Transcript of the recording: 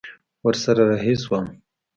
ورسره رهي سوم.